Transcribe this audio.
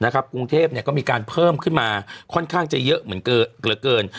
กรุงเทพก็มีการเพิ่มขึ้นมาค่อนข้างจะเยอะเหมือนเหลือเกิน